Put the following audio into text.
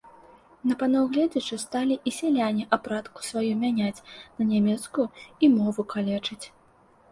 На паноў гледзячы, сталі і сяляне апратку сваю мяняць на нямецкую і мову калечыць.